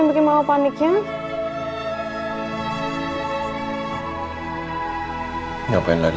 nunggu possibly ya rebirth ini itu